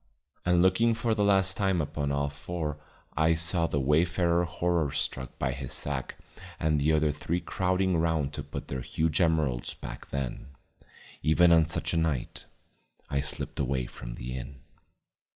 And looking for the last time upon all four I saw the wayfarer horror struck by his sack and the other three crowding round to put their huge emeralds back then, even on such a night, I slipped away from the inn.